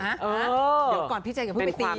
นี่ก่อนพี่ใจอย่าไปตี